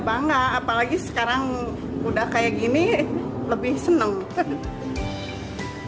bangga apalagi sekarang udah kayak gini lebih seneng